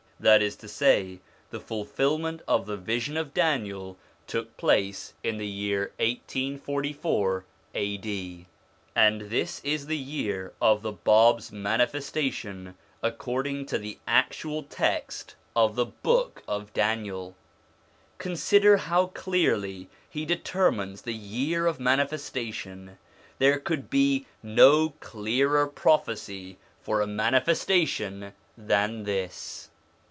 That is to say, the fulfilment of the vision of Daniel took place in the year 1844 A.D., and this is the year of the Bab's manifestation according to the actual text of the Book of Daniel. Consider how clearly he determines the year of manifestation; there could be no clearer prophecy for a manifestation than this.